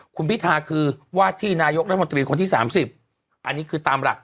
คุณพิธาคือว่าที่นายกรัฐมนตรีคนที่๓๐อันนี้คือตามหลัก